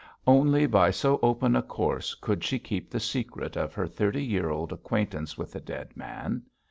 Only by so open a course could she keep the secret of her thirty year old acquaintance with the dead man.